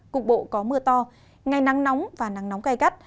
cục bộ có mưa to ngày nắng nóng và nắng nóng cay cắt